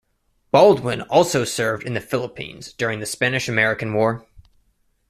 Baldwin also served in the Philippines during the Spanish-American War.